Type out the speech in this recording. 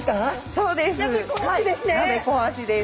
そうです。